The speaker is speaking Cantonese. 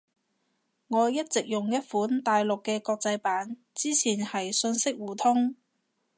我一直用一款大陸嘅國際版。之前係信息互通